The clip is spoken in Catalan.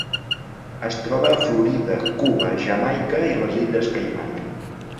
Es troba a Florida, Cuba, Jamaica i les Illes Caiman.